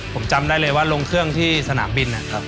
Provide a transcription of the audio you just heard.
ผมจำได้เลยว่าลงเครื่องที่สนามบินนะครับ